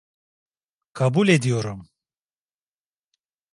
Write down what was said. Kabul ediyorum.